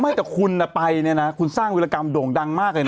ไม่แต่คุณไปเนี่ยนะคุณสร้างวิรากรรมโด่งดังมากเลยนะ